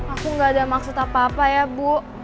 aku nggak ada maksud apa apa ya bu